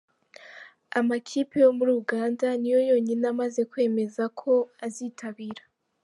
Amakipe yo muri Uganda ni yo yonyine amaze kwemeza ko azitabira.